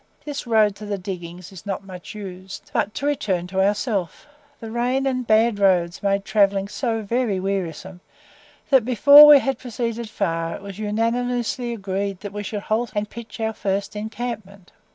This road to the diggings is not much used. But to return to ourselves. The rain and bad roads made travelling so very wearisome, that before we had proceeded far it was unanimously agreed that we should halt and pitch our first encampment.